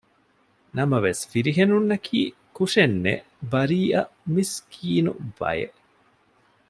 ނަމަވެސް ފިރިހެނުންނަކީ ކުށެއްނެތް ބަރީއަ މިސްކީނު ބަޔެއް